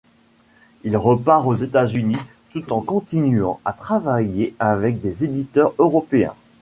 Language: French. Il repart aux États-Unis tout en continuant à travailler avec des éditeurs européens.